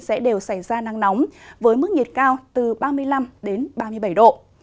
sẽ đều xảy ra nắng nóng với mức nhiệt cao từ ba mươi năm đến ba mươi bảy độ